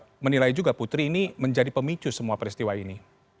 karena banyak yang menilai juga putri ini menjadi pemicu semua peristiwa ini